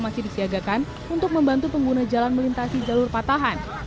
masih disiagakan untuk membantu pengguna jalan melintasi jalur patahan